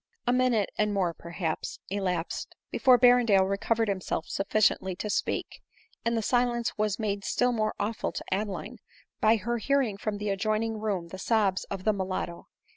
A minute, and more perhaps, elapsed, before Berren dale recovered himself sufficiently to speak ; and the silence was made still more awful to Adeline, by her bearing from the adjoining room the sobs of the mulatto.